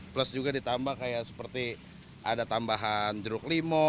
plus juga ditambah kayak seperti ada tambahan jeruk limau